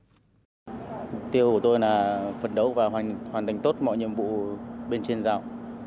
mục tiêu của tôi là phấn đấu và hoàn thành tốt mọi nhiệm vụ bên trên rào